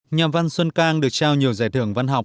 nhà văn xuân cang được trao nhiều giải thưởng văn học